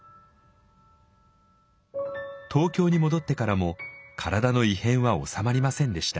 東京に戻ってからも体の異変は治まりませんでした。